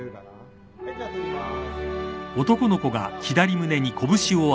はいじゃあ撮ります